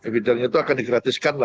feeder itu akan di gratiskan